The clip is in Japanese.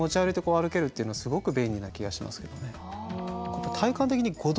歩けるっていうのはすごく便利な気がしますけどね。